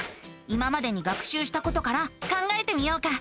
今までに学しゅうしたことから考えてみようか。